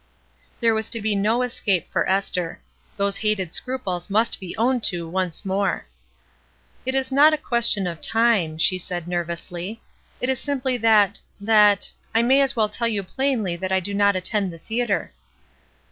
There was to be no escape for Esther; those hated scruples must be owned to once more. "It is not a question of time," she said ner vously. "It is simply that — that — I may as well tell you plainly that I do not attend the theatre."